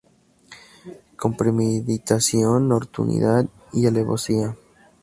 Con premeditación, nocturnidad y alevosía